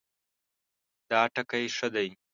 دا ټکی ښه دی